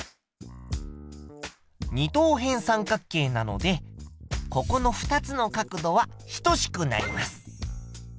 二等辺三角形なのでここの２つの角度は等しくなります。